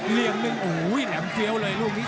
เหลี่ยมหนึ่งโอ้โหแหลมเฟี้ยวเลยลูกนี้